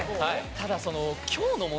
ただその。